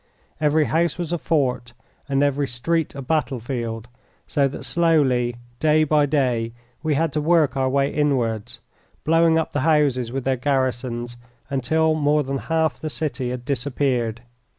Every house was a fort and every street a battle field, so that slowly, day by day, we had to work our way inwards, blowing up the houses with their garrisons until more than half the city had disappeared.